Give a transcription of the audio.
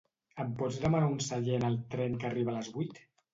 Em pots demanar un seient al tren que arriba a les vuit?